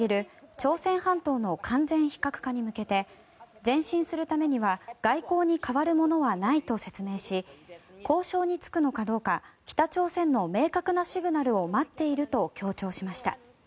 朝鮮半島の完全非核化に向けて前進するためには外交に代わるものはないと説明し交渉につくのかどうか北朝鮮の明確なシグナルを待っていると強調しました。